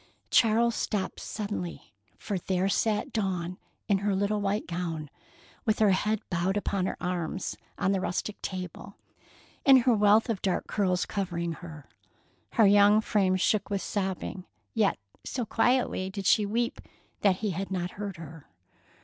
Charles stopped suddenly, for there sat Dawn in her little white gown, with her head bowed upon her arms, on the rustic table, and her wealth of dark curls covering her. Her young frame shook with sobbing, yet so quietly did she weep that he had not heard her.